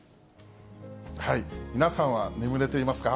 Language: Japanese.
皆さんは眠れていますか？